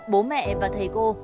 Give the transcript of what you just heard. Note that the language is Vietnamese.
bố mẹ và thầy cô